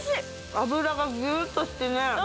脂がギューッとしてね・